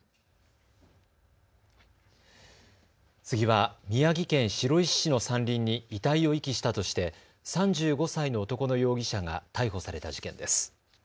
次は、宮城県白石市の山林に遺体を遺棄したとして３５歳の男の容疑者が逮捕された事件です。